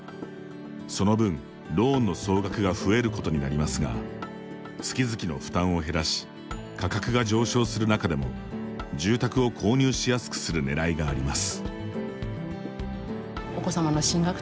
その分、ローンの総額が増えることになりますが月々の負担を減らし価格が上昇する中でも住宅を購入しやすくするねらいがあります。